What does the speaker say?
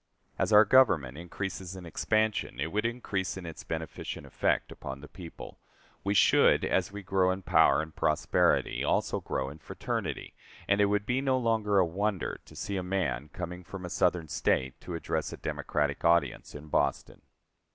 As our Government increases in expansion it would increase in its beneficent effect upon the people; we should, as we grow in power and prosperity, also grow in fraternity, and it would be no longer a wonder to see a man coming from a Southern State to address a Democratic audience in Boston.